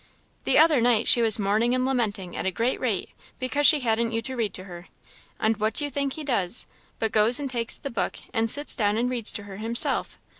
"The other night she was mourning and lamenting at a great rate because she hadn't you to read to her; and what do you think he does, but goes and takes the book, and sits down and reads to her himself!